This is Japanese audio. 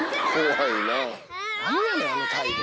何やねんあの態度。